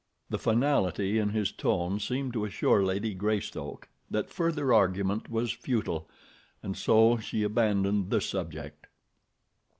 The finality in his tone seemed to assure Lady Greystoke that further argument was futile, and so she abandoned the subject.